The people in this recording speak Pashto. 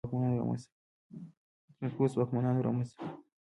سپین پوستو واکمنانو رامنځته کړ.